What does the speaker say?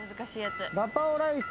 ガパオライス。